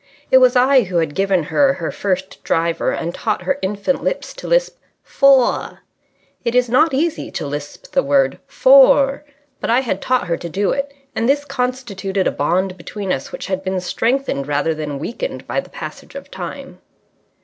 It was I who had given her her first driver and taught her infant lips to lisp "Fore!" It is not easy to lisp the word "Fore!" but I had taught her to do it, and this constituted a bond between us which had been strengthened rather than weakened by the passage of time.